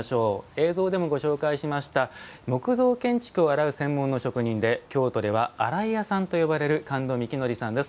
映像でもご紹介しました木造建築を洗う専門の職人で京都では洗い屋さんと呼ばれる神門幹典さんです。